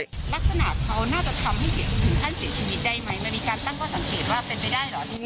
ลักษณะเขาน่าจะทำให้ถึงขั้นเสียชีวิตได้ไหมมันมีการตั้งข้อสังเกตว่าเป็นไปได้เหรอตรงนี้